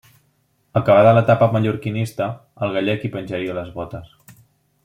Acabada l'etapa mallorquinista, el gallec hi penjaria les botes.